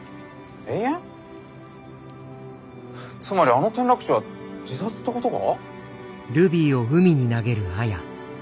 つまりあの転落死は自殺ってことか？